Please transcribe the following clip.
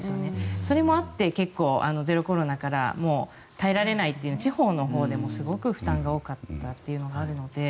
それもあって結構ゼロコロナから耐えられないっていう地方のほうでもすごく負担が多かったというのがあるので。